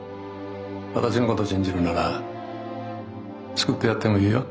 私のこと信じるなら救ってやってもいいよ。